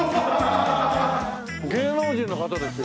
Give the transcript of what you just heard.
芸能人の方ですよ。